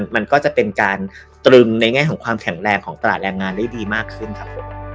มันก็จะเป็นการตรึงในแง่ของความแข็งแรงของตลาดแรงงานได้ดีมากขึ้นครับผม